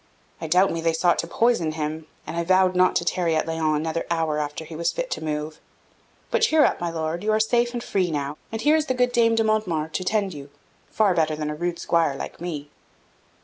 I doubt me they sought to poison him, and I vowed not to tarry at Laon another hour after he was fit to move. But cheer up, my Lord; you are safe and free now, and here is the good Dame de Montemar to tend you, far better than a rude Squire like me."